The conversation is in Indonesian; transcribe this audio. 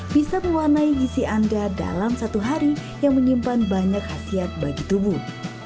bisa mewarnai gisi anda dalam satu hari yang menyimpan banyak khasiat bagi tubuh